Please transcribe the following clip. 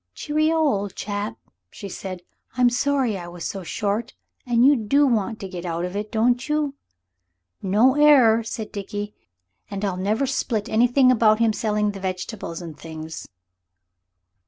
"Cheer oh, old chap!" she said. "I'm sorry I was so short. An' you do want to get out of it, don't you?" "No error," said Dickie; "an' I'll never split about him selling the vegetables and things."